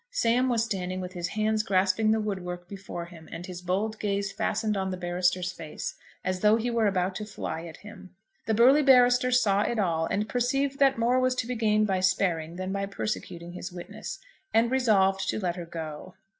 Sam was standing with his hands grasping the woodwork before him and his bold gaze fastened on the barrister's face, as though he were about to fly at him. The burly barrister saw it all and perceived that more was to be gained by sparing than by persecuting his witness, and resolved to let her go.